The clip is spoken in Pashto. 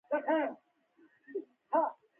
تجربو نه عبرت واخلو